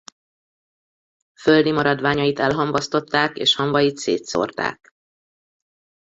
Földi maradványait elhamvasztották és hamvait szétszórták.